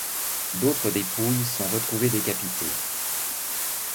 D'autres dépouilles sont retrouvées décapitées.